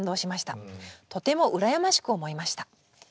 とてもうらやましく思いました」。